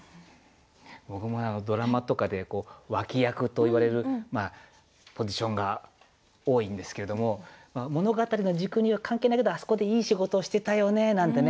僕もドラマとかで脇役といわれるポジションが多いんですけれども物語の軸には関係ないけどあそこでいい仕事してたよねなんてね